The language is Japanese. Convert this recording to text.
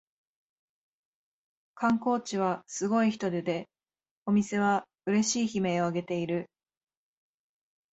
観光地はすごい人出でお店はうれしい悲鳴をあげている